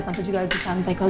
tante juga lagi santai kok